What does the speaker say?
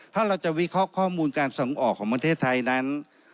ถ้าเราจะวิเคราะห์ข้อมูลการส่งออกของประเทศไทยนั้น